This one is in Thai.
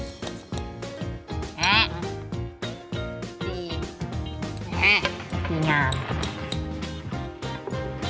อาหาร